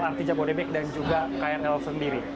lrt jabodebek dan juga krl sendiri